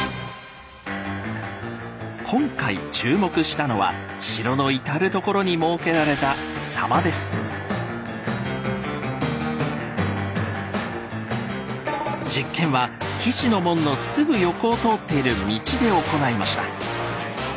今回注目したのは城の至る所に設けられた実験は菱の門のすぐ横を通っている道で行いました。